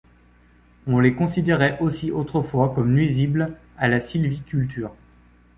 On les considérait aussi autrefois comme nuisibles à la sylviculture.